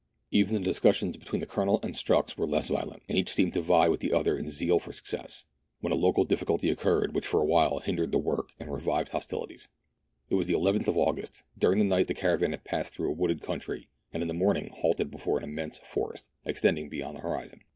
Even the discus sions between the Colonel and Strux were less violent, and each seemed to vie with the other in zeal for success, when a local difficulty occurred which for a while hindered the work and revived hostilities. It was the nth of August. During the night the caravan had passed through a wooded country, and in the morning halted before an immense forest extending beyond the horizon.